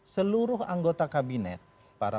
seluruh anggota kabinet para